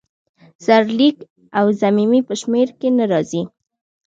سرلیک او ضمیمې په شمیر کې نه راځي.